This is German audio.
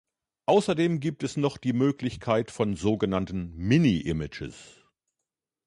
Außerdem gibt es noch die Möglichkeit von sogenannten Mini-Images.